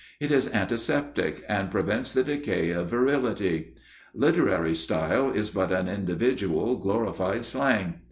It is antiseptic and prevents the decay of virility. Literary style is but an individual, glorified slang.